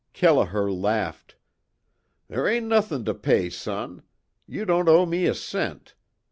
Kelliher laughed: "There ain't nothin' to pay son. You don't owe me a cent.